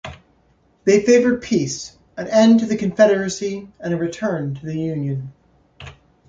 They favored peace, an end to the Confederacy, and a return to the Union.